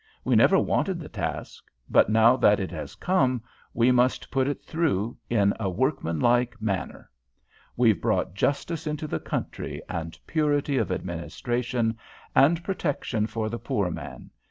We never wanted the task; but, now that it has come, we must put it through in a workmanlike manner. We've brought justice into the country, and purity of administration, and protection for the poor man.